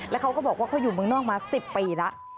แล้วเขาก็บอกว่าเขาอยู่เมืองนอกมา๑๐ปีแล้ว